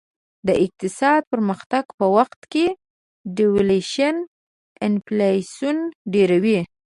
د اقتصادي پرمختګ په وخت devaluation انفلاسیون ډېروي.